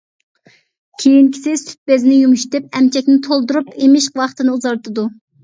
كېيىنكىسى سۈت بېزىنى يۇمشىتىپ، ئەمچەكنى تولدۇرۇپ، ئېمىش ۋاقتىنى ئۇزارتىدۇ.